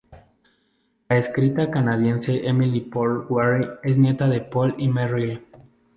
La escritora canadiense Emily Pohl-Weary es nieta de Pohl y Merril.